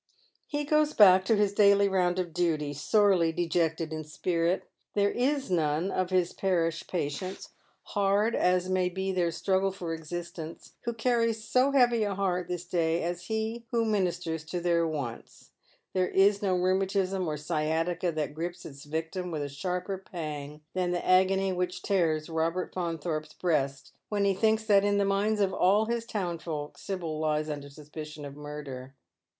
He goes back to his daily round of duty sorely dejected in spirit. There is none of liis parish patients, hard as may be their struggle for existence, who carries so heavy a heart this day as he who ministers to their wants. There is no rheumatism or sciatica that gripes its victim with a sharper pang than the agony which tears Robert Faunthorpe's breast when he thinks that in the minds of all his townsfolk Sibyl lies under suspicion of miu der.